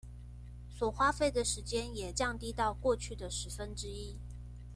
所花費的時間也降低到過去的十分之一